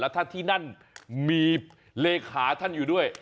ถ้าที่นั่นมีเลขาท่านอยู่ด้วย